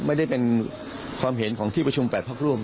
ไม่ได้เป็นความเห็นของที่ประชุม๘พักร่วม